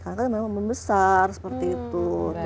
karena kan memang membesar seperti itu